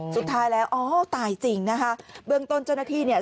อ๋อสุดท้ายแล้วอ๋อตายจริงนะคะเบื้องต้นจนนาทีเนี้ย